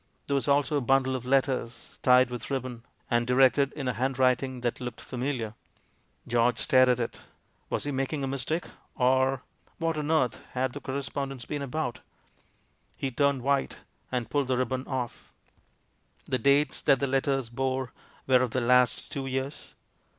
There was also a bundle of letters, tied with rib bon, and directed in a handwriting that looked familiar. George stared at it. Was he making a mistake, or What on earth had the cor respondence been about? He turned white, and pulled the ribbon off. The dates that the letters bore were of the last two years.